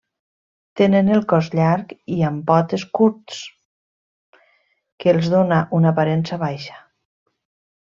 Tenen el cos llarg i amb potes curts, que els dóna una aparença baixa.